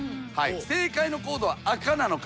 正解のコードは赤なのか？